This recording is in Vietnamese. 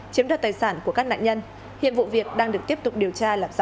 chiếm đoạt tài sản của các nạn nhân hiện vụ việc đang được tiếp tục điều tra làm rõ